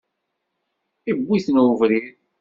Iwwi-ten uberriḍ.